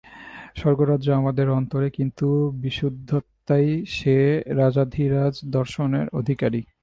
স্বর্গরাজ্য আমাদের অন্তরে, কিন্তু বিশুদ্ধাত্মাই সে রাজাধিরাজ-দর্শনের অধিকারী।